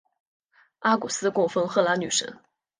阿古斯供奉赫拉女神。